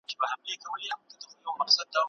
هغه کتابونه چي سانسور سوي وي بشپړ معلومات نه لري.